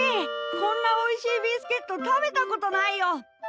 こんなおいしいビスケット食べたことないよ！